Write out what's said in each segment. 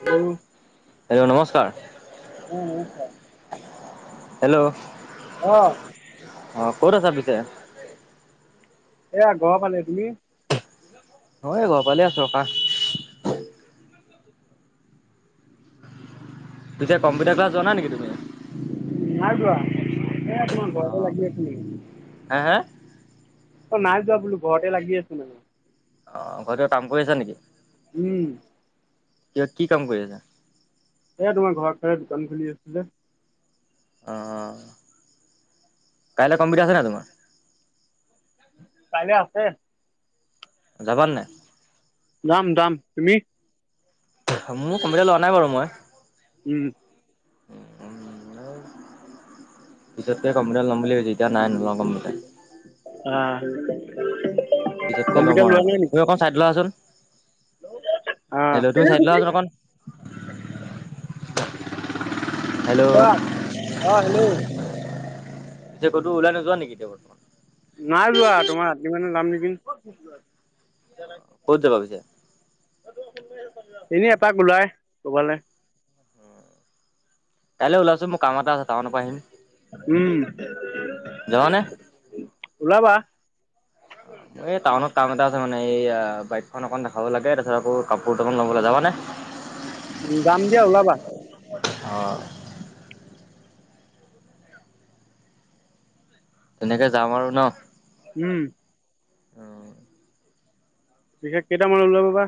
Hello hello, নমস্কাৰ। অ নমস্কাৰ হেল্ল'। অ'। অ', ক'ত আছা পিছে। এয়া ঘৰ পালোহি, তুমি। অ', এই ঘৰ ফালে আছো, [unintelligible] পিছে কম্পিউটাৰ ক্লাছ যোৱা নাই নেকি তুমি। নাই যোৱা, এ তোমাৰ ঘৰতে লাগি আছিলোহি। হা- হা। অ', নাই যোৱা বোলো, ঘৰতে লাগি আছিলোঁ। অ', ঘৰতে কাম কৰি আছ নেকি। উম। কিবা কি কাম কৰি আছা। এই তোমাৰ ঘৰ ফালে দোকান খুলি আছো যে। অ', কাইলে কম্পিউটাৰ আছে নে তোমাৰ। কাইলে আছে। যাবা নাই। যাম-যাম, তুমি। মোৰ কম্পিউটাৰ লোৱা নাই বাৰু মই। উম। পিছতকে কম্পিউটাৰ ল'ম বুলি ভাবিছো, এতিয়া নাই নলওঁ কম্পিউটাৰ। আ কম্পিউটাৰ লোৱা নাই নেক [unintelligible] লোৱাচোন। আহ [unintelligible] তুমি চাইড লোৱাচোন অকণ। হেল্ল' কোৱা। অ হেল্ল'। এতিয়া ক'তো ওলাই নোযোৱা নেকি এতিয়া বৰ্তমান? নাই যোৱা তোমাৰ [unintelligible] ক'ত যাবা পিছে? [unintelligible] এনে এপাক ওলাই ক'বালে। কাইলে ওলাবাচোন মোৰ কাম এটা আছে টাউনৰ পৰা আহিম। উম, যাবানে ওলাবা। এ টাউনত কাম এটা আছে মানে এইয়া বাইকখন অকন দেখাব লাগে, তাৰপিছত আক' কাপোৰ দুটামান ল'ব লাগে। যাবানে? উ যাম দিয়া ওলাবা। অ। তেনেকে যাম আৰু ন? উম। পিছে কেইটামানত ওলাব বা?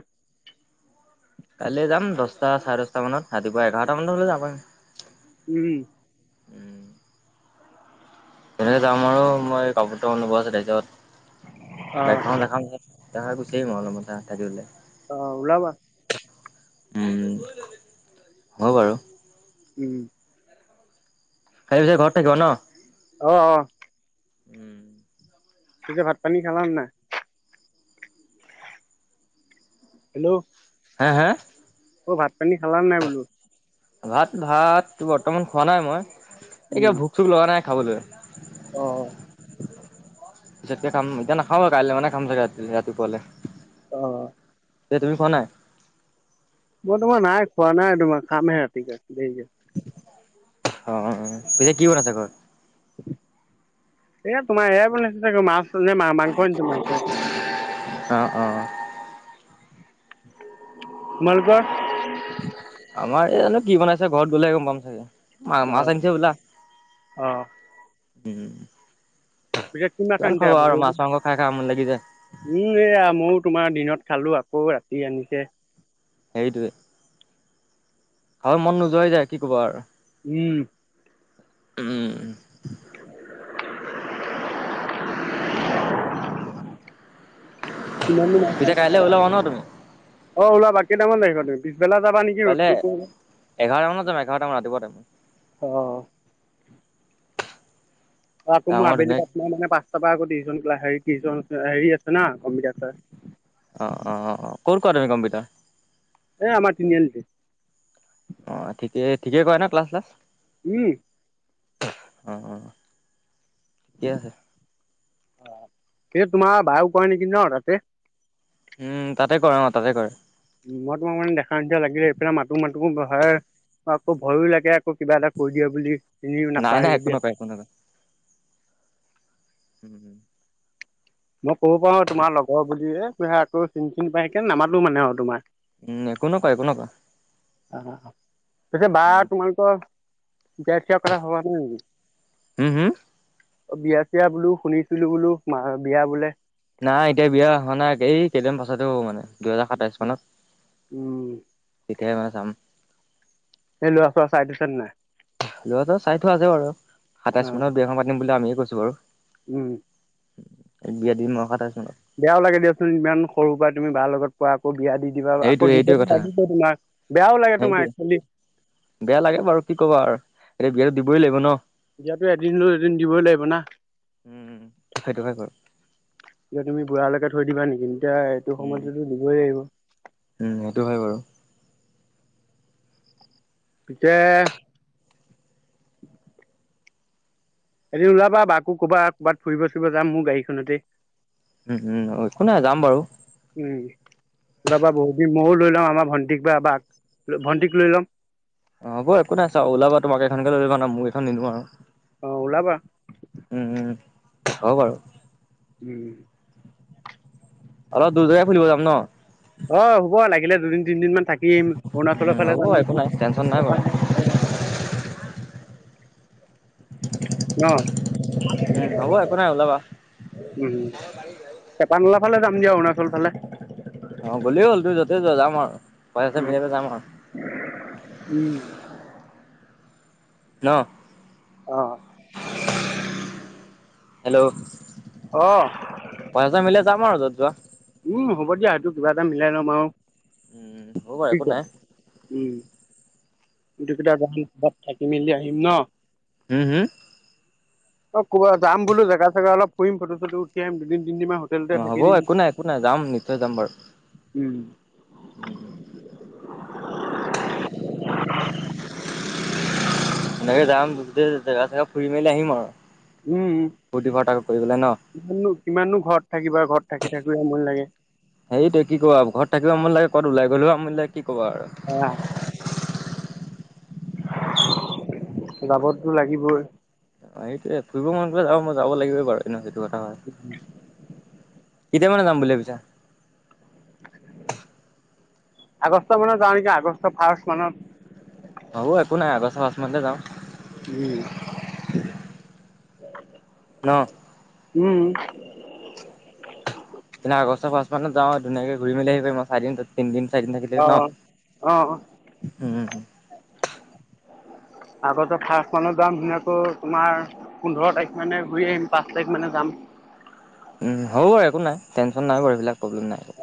কাইলে যাম দছটা, চাৰে দছটা মানত। ৰাতিপুৱা এঘাৰটা মানত হ'লে [unintelligible] উম। তেনেকে যাম আৰু মই কাপোৰ দুটামান ল'ব আছে। তাপিছত অ বাইকখন দেখাম [unintelligible] তাহা গুচি আহিম অ অলপমান [unintelligible] অ ওলাবা। উম, হ'ব বাৰু। উম। কালি পিছে ঘৰত থাকিবা ন? অ, অ। উম। পিছে ভাত-পানী খালা নে নাই? হেল্ল'। হা, হা? অ' ভাত-পানী খালা নাই বোলো? ভাত, ভাতটো বৰ্তমান খোৱা নাই মই। এ উম কিবা ভোক-চোক লগা নাই খাবলৈ। অ। পিছতকে খাম। এতিয়া নাখাওঁ আৰু কাইলে মানে খাম চাগে ৰাতি ৰাতিপুৱালে। অ। তে তুমি খোৱা নাই? মই তোমাৰ নাই খোৱা নাই তোমাৰ খামহে ৰাতি কে দেৰিকে। অ-অ, পিছে কি বনাইছে ঘৰত? এয়া তোমাৰ এয়াই বনাইছে ছাগে মাছ। [unintelligible] না মা-মাংস আনিছে মাংস। অ অ তোমালোকৰ? আমাৰ এ নো কি বনাইছে ঘৰত গ'লে গম পাম চাগে। অ মা-মাছ আনিছে হ'বলা। অ উম। পিছে কি মাছ কিমান আনিছে খাব আকৌ? আৰু মাছ, মাংস খাই খাই আমনি লাগি যায়। উম, এইয়া মও তোমাৰ দিনত খালো, আকৌ ৰাতি আনিছে। সেইটোৱে, খাব মন নোযোৱা হৈ যায় কি ক'বা আৰু। উম। উম। পিছে কাইলৈ ওলাবা ন তুমি অ', ওলাবা কেইটামানত আহিবা তুমি, পিছবেলা যাবা নি কাইলে এঘাৰটা মানত যাম, এঘাৰটা মান ৰাতিপুৱা টাইম। অ'। আকৌ যাম মোৰ আৰু আবেলি ধুনীয়াকে পাঁচটা মানে পাঁচটাৰ পৰা [unintelligible] হেৰি আছে না কম্পিউটাৰ ক্লাছ। অ', অ', অ', ক'ত কৰা তুমি কম্পিউটাৰ। এই আমাৰ তিনিআলিটো। অ', ঠিকে- ঠিকে কৰে ন ক্লাছ শ্লাচ। উম। অ', অ', ঠিকে আছে। এতিয়া তোমাৰ বায়েও কৰে নেকি ন তাতে। উম, তাতে কৰে অ', তাতে কৰে। মই তোমাক মানে দেখা নিচিনা লাগিলে এইফালে মাতো- মাতো [unintelligible] আকৌ ভয়ো লাগে। আকৌ কিবা এটা কৈ দিয়ে বুলি, চিনিও নাই নাপায় যদি [unintelligible] উম, উম। মই ক'ব পাৰো তোমাৰ লগৰ বুলিয়ে, আকৌ চিনি টিনি পাইকে নামাতো মানে আৰু তোমাৰ। উম, একো নকয়-একো নকয়। অ', পিছে বা উম তোমালোকৰ বিয়া চিয়া কৰা হোৱা নাই নেকি। হম- হম। অ', বিয়া চিয়া বোলো শুনিছিলো বোলো, মাৰ বিয়া বোলে। নাই এতিয়া বিয়া হোৱা নাই, এই কেইদিন পাছতহে হ'ব মানে, দুহেজাৰ সাতাইচ মানত। উম, তেতিয়াহে মানে চাম। এই ল'ৰা চৰা চাই থৈছে নে। ল'ৰা চৰা চাই থোৱা আছে বাৰু, অ সাতাইচ মানৰ বিয়াখন পাতিম বুলি আমিয়ে কৈছো বাৰু। উম। বিয়া দিম মই সাতাইচ মানত। বেয়াও লাগে দিয়াচোন ইমান সৰুৰ পৰাই তুমি বাৰ লগত পোৱা আকৌ বিয়া দি দিবা, সেইটোৱে আকৌ সেইটোৱে দিবতো কথা লাগিবই তোমাক, বেয়াও লাগে সেইটোৱে তোমাৰ একচোৱেলি। বেয়া লাগে বাৰু কি ক'ব আৰু এতিয়া বিয়াতো দিবই লাগিব ন। দিয়াতো এদিনটো এদিন দিবই লাগিব না। উম সেইটো হয় বাৰু এতিয়া তুমি বুঢ়ালৈকে থৈ দিবা নেকি, এতিয়া এইটো উম সময়টোতো দিবই লাগিব। উম, সেইটো হয় বাৰু। [unintelligible] এদিন ওলাবা বাকো ক'বা, ক'ৰবাত ফুৰিব চুৰিব যাম মোৰ গাড়ী খনতেই। উম, উম, একো নাই যাম বাৰু। উম, যাবা বহুত দিন মইও লৈ ল'ম আমাৰ ভণ্টিক বা বাক, ভণ্টিক লৈ ল'ম। অ', হ'ব একো নাই চাওঁ ওলাবা তোমাৰ গাড়ী খনকে লৈ ল'বা ন, মোৰ গাড়ীখন নিনো আৰু। অ', ওলাবা। উম, উম, হ'ব বাৰু। উম। অলপ দূৰ জেগাই ফুৰিব যাম ন। অ', হ'ব লাগিলে দুদিন তিনিদিনমান থাক কিম, অৰুণাচলৰ উম হ'ব একো নাই টেনচন নাই বাৰু ফালে [unintelligible] অ। উম হ'ব একো নাই [unintelligible] ওলাবা উম, চেপানলা ফালে যাম দিয়া, অৰুণাচল ফালে। অ গ'লেই হ'ল। তুমি য'তে যোৱা যাম আৰু পইচা মিলাই পেলাই যাম আৰু। উম। ন? অ। হেল্ল। অ পইচা মিলাই যাম আৰু য'ত যোৱা। উ হ'ব দিয়া। সেইটো কিবা এটা মিলাই ল'ম আও। উম হ বাৰু একো নাই। উম, [unintelligible] থাকি মেলি আহিম ন? উ-হু? অ ক'বা যাম বুলো, জাগা-ছাগা অলপ ফুৰিম, ফটো-চটো উঠি আহিম। দুদিন-তিনদিনমান অ হ'ব একো নাই, একো নাই। যাম নিশ্চয় যাম বাৰু। উম। উম, উম। এনেকে যাম [unintelligible] জেগা-চেগা ফুৰি মেলি আহিম আও। উম, ন কিমাননো কিমাননো ঘৰত থাকিবা, ঘৰত থাকি থাকি আমনি লাগে। সেইটোৱে কি ক'বা আ। ঘৰত থাকিলেও আমনি লাগে, ক'বাত গলেও আমনি লাগে কি ক'বা আৰু। আ যাবটো লাগিবই। অ সেইটোৱে। ফুৰিব মন গলে যাব [unintelligible] লাগিবই বাৰু। [unintelligible] সেইটো কথা হয়। [unintelligible] কেতিয়া মানে যাম বুলি ভাবিছা? আগষ্ট মানত যাওঁ নেকি, আগষ্ট ফাৰ্ষ্ট মানত। হ'ব একো নাই। আগষ্ট ফাষ্ট মানতে যাম। উম। ন? উম, উম। তেনে আগষ্টৰ ফাষ্ট মানত যাওঁ। ধুনীয়াকে ঘূৰি মেলি আহি [unintelligible] মই চাই দিম তোক। তিনদিন, চাৰিদিন থাকিলে অ ন? অ উম। আগষ্টৰ ফাৰ্ষ্ট মানত যাম ধুনীয়াকৈ তোমাৰ পোন্ধৰ তাৰিখ মানে ঘূৰি আহিম, পাঁচ তাৰিখ মানে যাম। উম হ'ব বাৰু একো নাই। টেনচন নাই বাৰু, এইবিলাক প্ৰব্লেম নাই [unintelligible]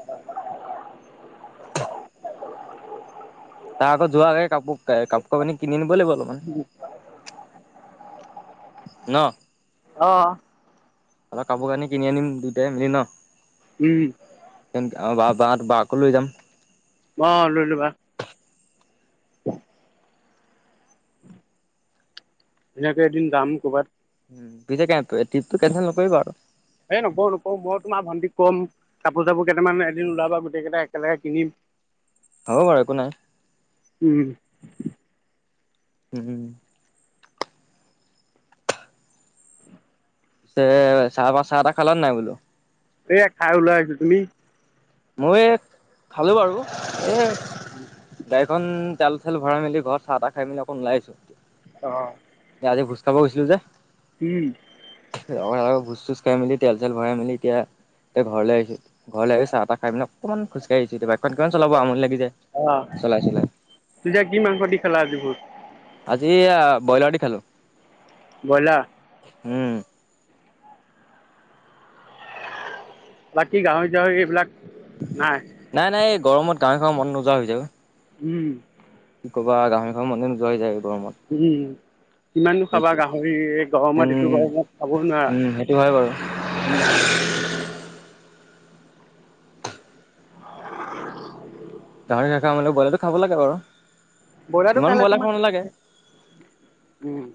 তাৰ আগত যোৱাৰ আগে গে কাপোৰ কাপোৰ-কানি কিনি নিব লাগিব অলপমান। [unintelligible] ন? অ অলপ কাপোৰ-কানি কিনি আনিম দুইটাই মিলি ন? উম। [unintelligible] আও বা-বা-বাকো লৈ যাম। অ, লৈ লবা। [inaudible] ধুনীয়াকে এদিন যাম কবাত। উ পিছে কে ট্ৰিপটো কেনচেল নকৰিবা আ [unintelligible] এ নকৰো, নকৰো। মই তোমাৰ ভণ্টিক কম। কাপোৰ-চাপোৰ কেটামান এদিন ওলাবা গোটেইকেইটাই একেলগে কিনিম। হ'ব বাৰু একো নাই। উম। উম। তে চাহ পাহ চাহ তাহ খালে নাই বোলোঁ? এইয়া খাই ওলাই আহিছোঁ, তুমি? মই এই খালোঁ বাৰু, এই গাড়ীখন ডাল পাল [unintelligible] ভৰাই মেলি ঘৰত চাহ তা খাই মেলি অকণ ওলাই আহিছোঁ। অ'। ভোজ খাব গৈছিলোঁ যে। উম। [unintelligible] ভোজ চোজ খাই মেলি তেল চেল ভৰাই মেলি এতিয়া তে ঘৰলৈ আহিছোঁ, ঘৰলৈ আহিছ চাহ তা খাই পেনাই অকণমান খোজ কাঢ়ি আহিছোঁ এতিয়া বাইখন কিমান চলাব আমনি লাগি যায়, অহ চলাই-চলাই। পিছে কি মাংস দি খালা আজি ভোজ? আজি এয়া ব্ৰইলাৰ দি খালোঁ। ব্ৰইলাৰ? উম। বাকী গাহৰি চাহৰি এইবিলাক নাই? নাই-নাই, এই গৰমত গাহৰি খাব মন নোযোৱা হৈ যায়গৈ। উম। কি কবা আৰু গাহৰি খাব মনে নোযোৱা হৈ যায় এই গৰমত। উম। কিমাননো খাবা সেইটোৱে গাহৰি এ গৰমত এইটো উম গৰমত খাবও নোৱাৰা, উম সেইটো হয় বাৰু উম। [inaudible] গাহৰি নাখাও মানে ব্ৰইলাৰ টো খাব লাগে বাৰু। ব্ৰইলাৰটো ইমানো খালে ব্ৰইলাৰ খাব তোমাৰ, নালাগে [unintelligible] উম'।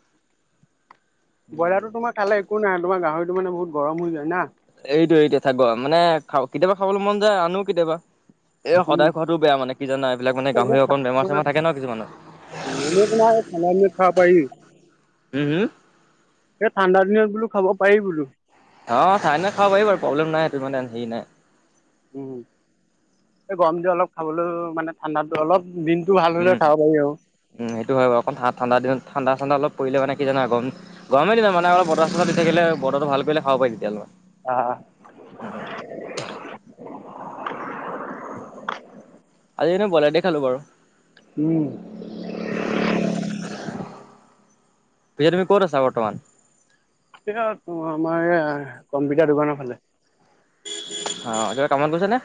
ব্ৰলাৰোটো তোমাৰ খালে একো নাই তোমাৰ গাহৰিটো মানে বহুত গৰম হৈ যায় না? এইটোৱে-এইটোৱে থাক [unintelligible] মানে খা কেতিয়াবা খাবলৈ মন যায় আনো কেতিয়াবা। এই উম সদায় খোৱাটো বেয়া মানে, কি জানা এইবিলাক মানে গাহৰি অকন বেমাৰ চেমাৰ থাকে ন কিছুমানত। মম [unintelligible] ঠাণ্ডা দিনত খাব পাৰি। উম হুম? এই ঠাণ্ডা দিনত বোলোঁ খাব পাৰি বোলোঁ। অ', ঠাণ্ডা দিনত খাব পাৰি বাৰু প্ৰব্লেম নাই, সেইটো মানে হেৰি নাই। উম, এই গৰম দি অলপ খাবলৈ মানে ঠাণ্ডাতো অলপ দিনতটো উম ভালহলে খাব পাৰি আৰু। উম, সেইটো হয় বাৰু। অকন ঠাণ্ড দিনতডা ঠাণ্ডা চান্দা অলপ পৰিলে মানে কি জানা গৰম গৰমৰ দিনত ইো বতা চতা দি থাকিলে বতৰটো ভাল কৰিলে খাব পাৰি তেতিয়া অলপ। অ'। উম। আজি এনেই ব্ৰইলাৰ দি খালোঁ বাৰু। উম। এতিয়া তোমি ক'ত আছা বৰ্তমান? এয়া আমাৰ এই কম্পিউটাৰ দোকানৰ ফালে। অ', দেউতা কামত গৈছ নে?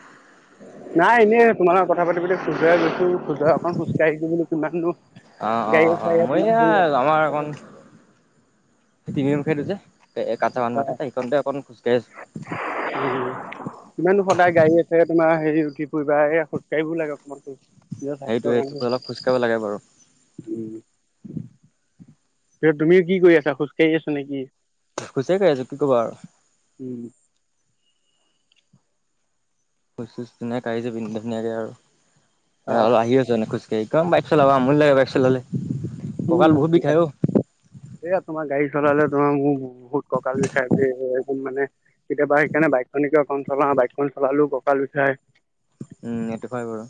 নাই এনেই তোমাৰ লগত কথা পাতিবলৈ খোজুৱই গৈছোঁ, খোজৰে অকন খোজকাঢ়ি বোলোঁ কিমান নো [unintelligible] অ', অ', অ', মই এয়া আমাৰ অকণ সেই [unintelligible] যে এ এই [unintelligible] সেইখনতে অকণ খোজকাঢ়ি আছোঁ। উম, কিমাননো সদায় গাড়ী আছে তোমাৰ হেৰি উঠি ফুৰিবা এই খোজকাঢ়িব লাগে অকণমান। সেইটোৱেটো, অলপ খোজ কাঢ়িব লাগে বাৰু। উম, তে তুমি কি কৰি আছা, খোজকাাঢ়ি আছা নেকি। খোজেই কাঢ়ি আছো, কি কৰিবা আৰু। উম। খোজ চোজ ধুনীয়াকে কাঢ়ি আছোঁ, ধুনীয়াকে আৰু এ অ', আৰু আহি আছো এনে খোজ সেই খন বাইক চলাব আমনি লাগে বাইক চলালে। উম, কঁকাল বহুত বিষাই অ উম, [unintelligible] এইয়া তোমাৰ গাড়ী চলালে তোমাৰ মোৰ বহুত কঁকাল বিষায়, এ একদম মানে কেতিয়াবা সেইকাৰণে বাইকখনিকে অকমান চলাওঁ, বাইকখন চলালেও কঁকাল বিষায়। উম, এইটো হয় বাৰু।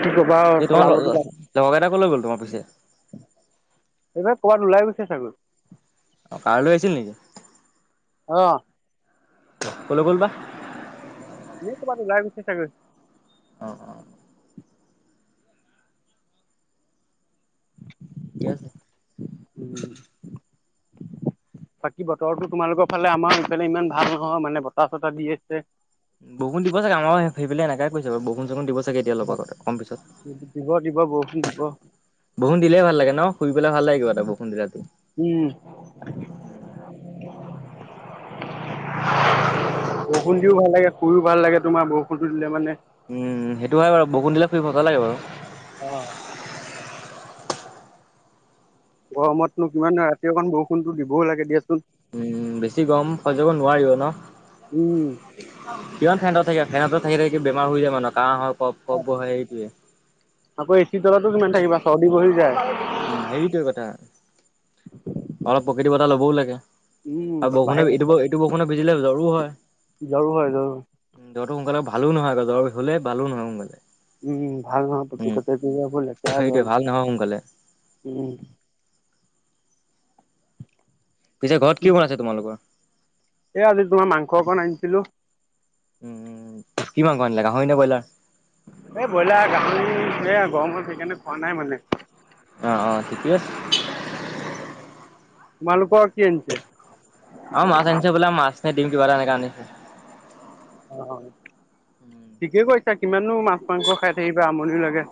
কি ক'বা আও এই তোমাৰ ল লগৰ কেইটা ক'লৈ গ'ল তোমাৰ পিছে। [unintelligible] ক'বাত ওলাই গৈছে চাগৈ। অ', কাৰ লৈ আহিছিল নেকি। অ'। ক'লৈ গ'ল বা। এনে ক'বাত ওলাই গৈছে চাগৈ। অ', অ'। ঠিকে আছে। উম বাকী বতৰতো তোমালোকৰ ফালে আমাৰ ইফালে ইমান ভাল নহয় মানে বতাহ চতাহ দি আছে। বৰষুণ দিব চাগে, আমাৰো সেইফালে এনেকাই কৰিছে বাৰু, বৰষুণ চৰষুণ দিব চাগে এতিয়া অলপ অ', আগত অকণ পিছত। দিব- দিব বৰষুণ দিব। বৰষুণ দিলেই ভাল লাগে ন, শুই পেলাই ভাল লাগে কিবা এটা বৰষুণ দিলে ৰাতি। উম। বৰষুণ দিওঁ ভাল লাগে শুইও ভাল লাগে, তোমাৰ বৰষুণটো দিলে মানে উম, সেইটো হয় বাৰু, বৰষুণ দিলে শুই মজা লাগে বাৰু। অ'। গৰমতনো কিমান আৰু ৰাতি অকণ বৰষুণতো দিবও লাগে দিয়াচোন। উম, বেছি গৰম সহ্য কৰিব নোৱাৰিও ন। উম। কিমান ফেনত থাকিবা, ফেনৰ তলত থাকি- থাকি বেমাৰ হৈ যায় মানুহৰ কাঁহ হয়, কপ কফ বহে, সেইটোৱে। আকৌ এ চি তলতো কিমান থাকিবা, চৰ্দি বহি যায়। উম, সেইটোৱে কথা, অলপ প্ৰকৃতি বতাহ ল'বও লাগে। উম আৰু বৰষুণত বাহিৰত এইটো-এইটো বৰষুণত ভিজিলে জ্বৰো জ্বৰো জ্বৰো হয়। জ্বৰটো সোনকালে ভালো নহয় বাৰু, জ্বৰ হ'লে ভালো নহয় সোনকালে। উম, উম, ভাল নহয় উম, [unintelligible] লেতেৰা সেইটোৱে গৰম, ভাল নহয় সোনকালে। উম। পিছে ঘৰত কি বনাইছে তোমালোকৰ। এ আজি তোমাৰ মাংস অকণ আনিছিলো। উম, কি মাংস আনিলা গাহৰি নে ব্ৰইলাৰ। এই ব্ৰইলাৰ গাহৰি, এয়া গৰমত সেইকাৰণে খোৱা নাই মানে। অ', অ', ঠিকেই আছে। তোমালোকৰ কি আনিছে? অ', মাছ আনিছে বোলে, মাছ নে দিম কিবা এটা এনেকা আনিছে। অ', ঠিকে কৈছা কিমাননো মাছ মাংস খাই থাকিবা, আমনি লাগে।